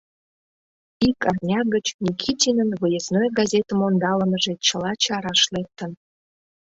Ик арня гыч Никитинын выездной газетым ондалымыже чыла чараш лектын.